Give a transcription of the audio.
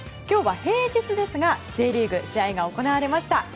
今日は平日ですがＪリーグ、試合が行われました。